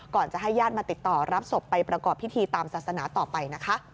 ก่อนจะให้ญาติมาติดต่อรับศพไปประกอบพิธีตามศาสนาต่อไปนะคะ